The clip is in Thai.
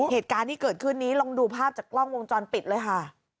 เหตุการณ์ที่เกิดขึ้นนี้ลองดูภาพจากกล้องวงจรปิดเลยค่ะ